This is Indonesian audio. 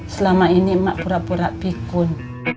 selama ini emak pura pura pikun